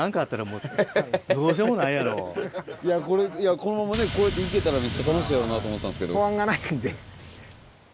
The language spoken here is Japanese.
このままねこうやって行けたらめっちゃ楽しいやろなと思ったんですけど。